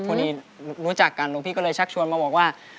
พอดีรู้จักกันหลวงพี่ก็เลยชักชวนมาบอกว่า